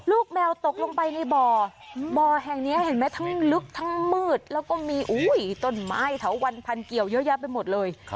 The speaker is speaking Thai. แมวตกลงไปในบ่อบ่อแห่งนี้เห็นไหมทั้งลึกทั้งมืดแล้วก็มีต้นไม้เถาวันพันเกี่ยวเยอะแยะไปหมดเลย